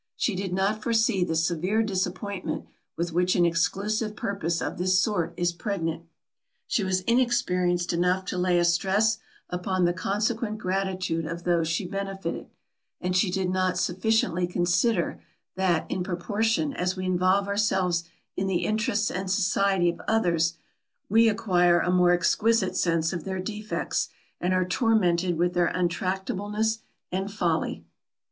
She did not foresee the severe disappointment with which an exclusive purpose of this sort is pregnant; she was inexperienced enough to lay a stress upon the consequent gratitude of those she benefited; and she did not sufficiently consider that, in proportion as we involve ourselves in the interests and society of others, we acquire a more exquisite sense of their defects, and are tormented with their untractableness and folly.